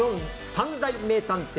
三大名探偵